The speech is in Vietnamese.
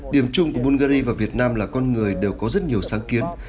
điểm chung của bungary và việt nam là con người đều có rất nhiều sáng kiến